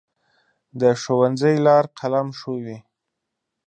د ښوونځي لار قلم ښووي.